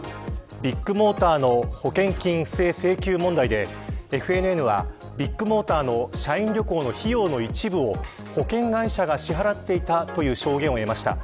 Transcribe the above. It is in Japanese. ビッグモーターの保険金不正請求問題でＦＮＮは、ビッグモーターの社員旅行の費用の一部を保険会社が支払っていたという証言を得ました。